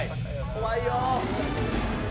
怖いよ。